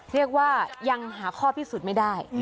เรียกว่ายังหาข้อพิสูจน์ไม่ได้